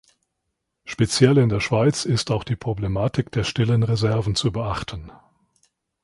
Speziell in der Schweiz ist auch die Problematik der stillen Reserven zu beachten.